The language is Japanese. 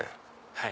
はい。